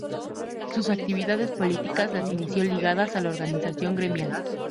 Sus actividades políticas las inició ligadas a la organización gremial.